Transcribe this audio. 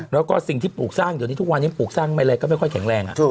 แล้วก็สิ่งที่ปลูกสร้างเดี๋ยวนี้ทุกวันนี้ปลูกสร้างไม่แรงก็ไม่ค่อยแข็งแรง